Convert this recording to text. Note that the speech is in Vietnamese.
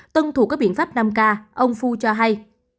tân thuộc các biện pháp năm k ông phu cho hay